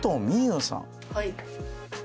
はい。